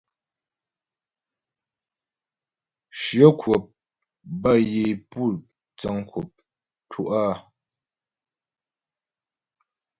Shyə kwəp bə́ yə é pú dzəŋ kwəp tú' áa.